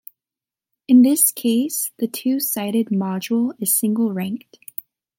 In this case, the two-sided module is single-ranked.